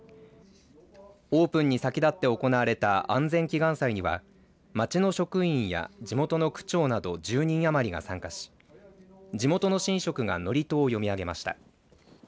オープンに先立って行われた安全祈願祭には町の職員や地元の区長など１０人余りが参加し地元の神職が祝詞を読み上げました。